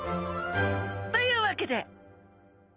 というわけで！